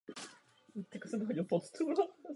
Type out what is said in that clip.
Také vnitřní stěny mají pilastry.